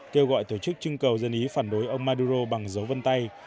kêu gọi tổ chức trưng cầu dân ý phản đối ông maduro bằng dấu vân tay